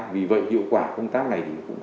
vì vậy hiệu quả công tác này cũng còn chưa cao